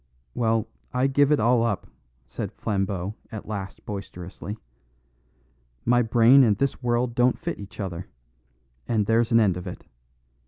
"Well, I give it all up," said Flambeau at last boisterously. "My brain and this world don't fit each other; and there's an end of it.